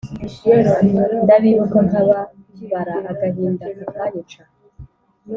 Ndabibuka nkababara, agahindakakanyica.